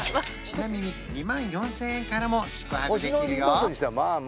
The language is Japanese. ちなみに２万４０００円からも宿泊できるよ